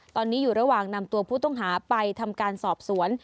ตอนนี้อยู่ระหว่างนำตัวผู้ต้องหาไปทำการสอบสวน